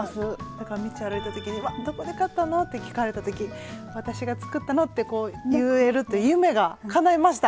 道歩いた時に「わっ！どこで買ったの？」って聞かれた時「私が作ったの」って言えるという夢がかないました。